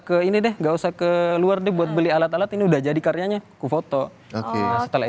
ke ini deh enggak usah ke luar deh buat beli alat alat ini udah jadi karyanya ke foto setelah